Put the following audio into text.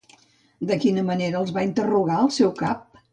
De quina manera els va interrogar el seu cap?